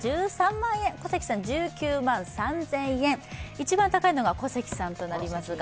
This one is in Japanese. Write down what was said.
一番高いのが小関さんとなりますが。